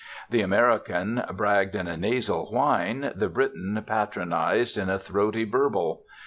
The American bragged in a nasal whine, the Briton patronized in a throaty burble.